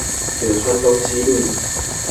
柳川東西路